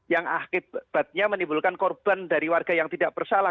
yang akibatnya menimbulkan korban dari warga yang tidak bersalah